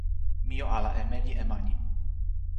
mi jo ala e meli e mani.